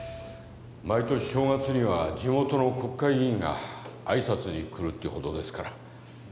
毎年正月には地元の国会議員があいさつに来るってほどですから。